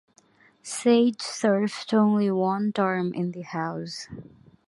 Sage served only one term in the House.